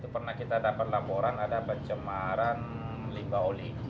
pernah kita dapat laporan ada pencemaran limba oli